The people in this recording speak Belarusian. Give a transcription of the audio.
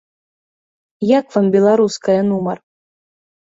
Як вам беларуская нумар?